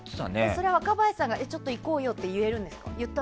それは若林さんがちょっと行こうよって言ったんですか？